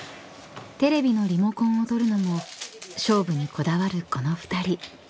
［テレビのリモコンを取るのも勝負にこだわるこの２人］